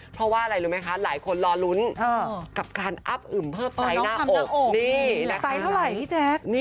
เพราะว่าอะไรรู้ไหมคะหลายคนล่อหลุ้น